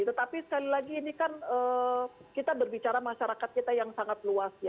tetapi sekali lagi ini kan kita berbicara masyarakat kita yang sangat luas